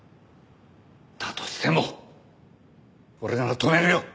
だとしても俺なら止めるよ！